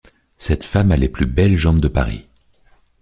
Cette femme a les plus belles jambes de Paris.